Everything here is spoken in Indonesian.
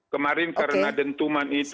kemarin karena dentuman itu